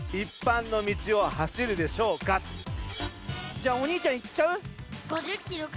じゃあお兄ちゃんいっちゃう？